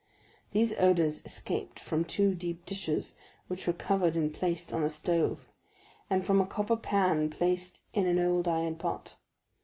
These odors escaped from two deep dishes which were covered and placed on a stove, and from a copper pan placed in an old iron pot.